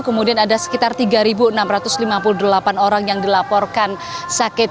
kemudian ada sekitar tiga enam ratus lima puluh delapan orang yang dilaporkan sakit